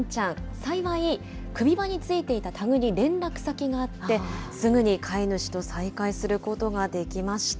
幸い、首輪についていたタグに連絡先があって、すぐに飼い主と再会することができました。